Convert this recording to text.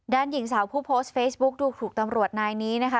หญิงสาวผู้โพสต์เฟซบุ๊กดูถูกตำรวจนายนี้นะคะ